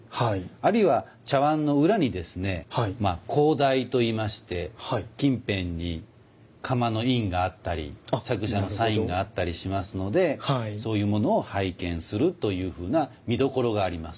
あるいは茶碗の裏にですね高台と言いまして近辺に窯の印があったり作者のサインがあったりしますのでそういうものを拝見するというふうな見どころがあります